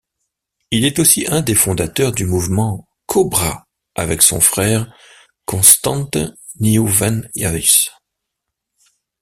Il est aussi un des fondateurs du mouvement CoBrA avec son frère Constant Nieuwenhuys.